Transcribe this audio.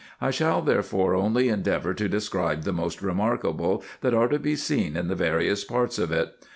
I shall therefore only endeavour to describe the most remarkable that are to be seen in the various parts of it.